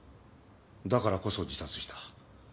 だからこそ自殺した。